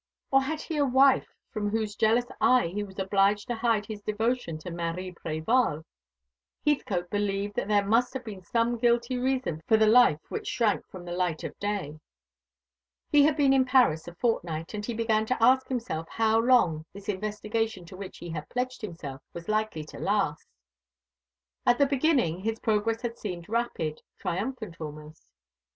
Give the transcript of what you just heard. or had he a wife from whose jealous eye he was obliged to hide his devotion to Marie Prévol? Heathcote believed that there must have been some guilty reason for the life which shrank from the light of day. He had been in Paris a fortnight, and he began to ask himself how long this investigation to which he had pledged himself was likely to last. At the beginning his progress had seemed rapid triumphant almost.